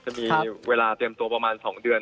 จะมีเวลาเตรียมตัวประมาณ๒เดือน